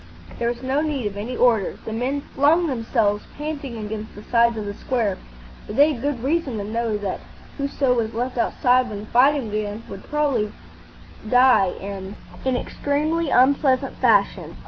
There was no need of any order. The men flung themselves panting against the sides of the square, for they had good reason to know that whoso was left outside when the fighting began would very probably die in an extremely unpleasant fashion.